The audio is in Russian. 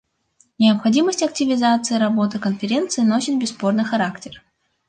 Необходимость активизации работы Конференции носит бесспорный характер.